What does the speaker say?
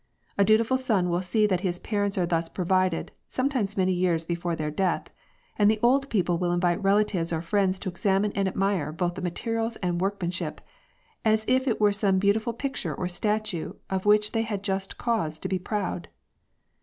A dutiful son will see that his parents are thus provided, sometimes many years before their death, and the old people will invite relatives or friends to examine and admire both the materials and workmanship, as if it were some beautiful picture or statue of which they had just cause to be proud.